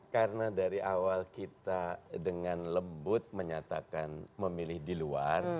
karena dari awal kita dengan lembut menyatakan memilih di luar